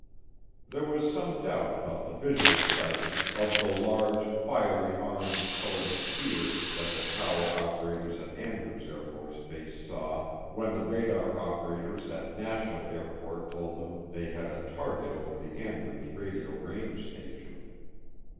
There was some doubt about the visual sighting of the "large fiery orange colored sphere" that the tower operators at Andrews AFB saw when the radar operators at National Airport told them they had a target over the Andrews Radio range station.